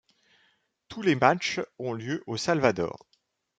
Tous les matchs ont lieu au Salvador.